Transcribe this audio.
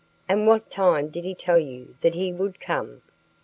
"At what time did he tell you that he would come?"